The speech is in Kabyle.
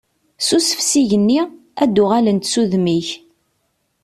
Ssusef s igenni, ad d-uɣalent s udem-ik.